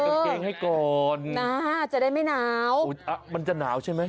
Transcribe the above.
ใจกำเกงให้ก่อนนะฮะจะได้ไม่หนาวอุ๊ยอัะมันจะหนาวใช่ไหม